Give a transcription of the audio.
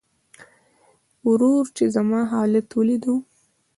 ورور چې زما حالت وليده .